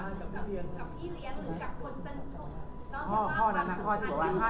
กับพี่เรียนหรือเป็นคนเป็น